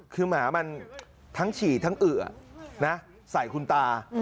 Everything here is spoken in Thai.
คือหมามันทั้งฉี่ทั้งเอื่อนะใส่คุณตา